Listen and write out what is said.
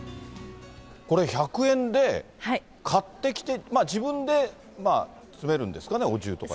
これ、１００円で買ってきて、自分で詰めるんですかね、お重とかに。